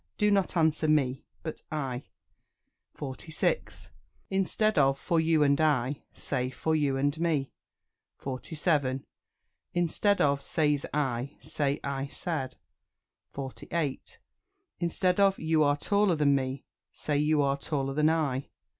do not answer "Me," but "I." 46. Instead of "For you and I," say "For you and me." 47. Instead of "Says I," say "I said." 48. Instead of "You are taller than me," say "You are taller than I."